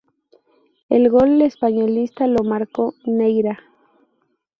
El gol españolista lo marcó Neyra.